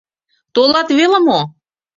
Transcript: Толат веле мо?